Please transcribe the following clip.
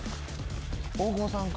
大久保さんか。